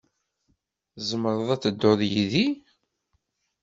Tzemreḍ ad tedduḍ yid-i.